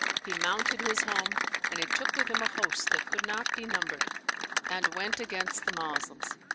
] he mounted his home, and he took with him a host that could not be numbered, and went against the Moslems.